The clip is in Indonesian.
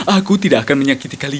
aku tidak akan menyakiti kalian